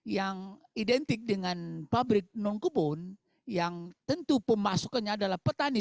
yang identik dengan pabrik non kebun yang tentu pemasukannya adalah petani